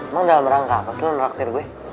emang dalam rangka apa sih lo ngeraktir gue